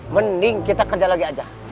mending kita kerja lagi aja